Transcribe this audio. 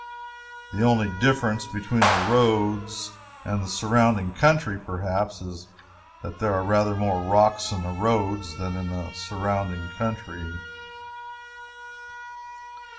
The only difference between the roads and the surrounding country, perhaps, is that there are rather more rocks in the roads than in the surrounding country.